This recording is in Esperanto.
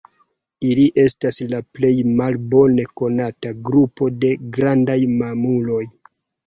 Ili estas la plej malbone konata grupo de grandaj mamuloj.